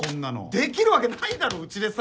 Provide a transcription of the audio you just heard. できるわけないだろうちでさ。